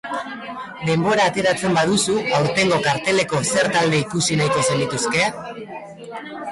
Denbora ateratzen baduzu, aurtengo karteleko zer talde ikusi nahiko zenituzke?